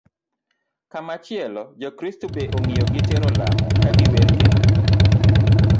Kamachielo, jokristo be ong'iyo gi tero lamo ka giwer kendo